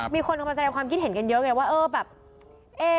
มีคนเข้ามาแสดงความคิดเห็นกันเยอะไงว่า